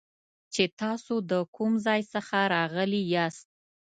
چې تاسو د کوم ځای څخه راغلي یاست